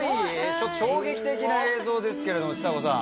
ちょっと衝撃的な映像ですけれどもちさ子さん